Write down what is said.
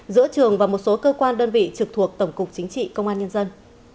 giữa trường và một số cơ quan đơn vị trực thuộc tổng cục chính trị công an nhân dân